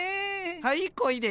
はいこいで。